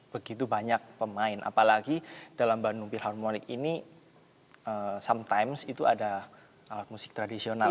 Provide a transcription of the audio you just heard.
begitu banyak pemain apalagi dalam bandung philharmonic ini sometimes itu ada alat musik tradisional